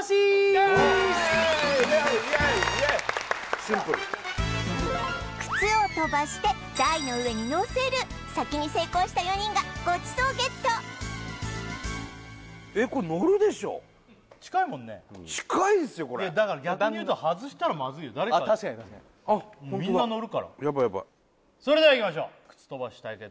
イエーイイエイイエイイエイシンプル靴を飛ばして台の上にのせる先に成功した４人がごちそうＧＥＴえっこれのるでしょ近いもんねだから逆に言うと誰か確かに確かにみんなのるからヤバいヤバいそれではいきましょうくつとばし対決